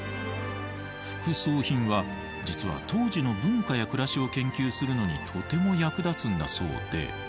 副葬品は実は当時の文化や暮らしを研究するのにとても役立つんだそうで。